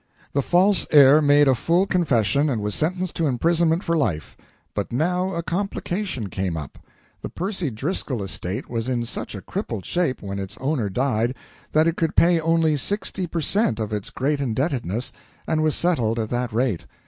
The false heir made a full confession and was sentenced to imprisonment for life. But now a complication came up. The Percy Driscoll estate was in such a crippled shape when its owner died that it could pay only sixty per cent. of its great indebtedness, and was settled at that rate.